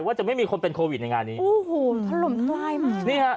จะไม่มีคนเป็นโควิดในงานนี้โอ้โหถล่มทลายมานี่ฮะ